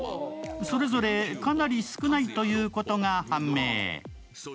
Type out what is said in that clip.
それぞれかなり少ないということが判明。